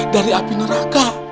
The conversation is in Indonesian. dari api neraka